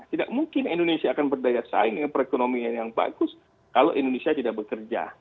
tidak mungkin indonesia akan berdaya saing dengan perekonomian yang bagus kalau indonesia tidak bekerja